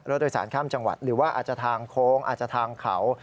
รถโดยสารข้ามจังหวัดหรือว่าอาจจะทางโค้งอาจจะทางเขา